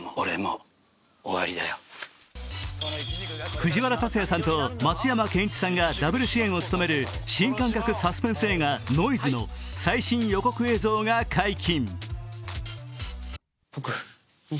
藤原竜也さんと松山ケンイチさんがダブル主演を務める新感覚サスペンス映画「ノイズ」の最新予告映像が解禁。